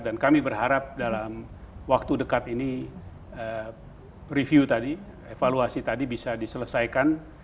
dan kami berharap dalam waktu dekat ini review tadi evaluasi tadi bisa diselesaikan